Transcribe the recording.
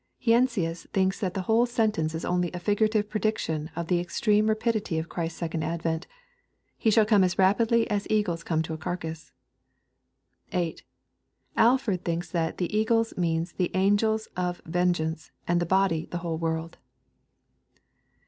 Heinsius thinks that the whole sentence is only a figurative prediction of the extreme rapidity of Christ's second advent He shall come as rapidly as eagles come to a carcase. 8. AJford thinks that " the eagles" mean the angels of ven geance, and " the body" the whole world.